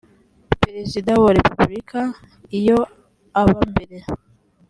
perezida wa repubulika iyo aba mbere